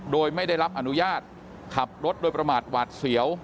โดยไม่ได้รับอนุญาตขับรถโดยประมาทหวาดเสียว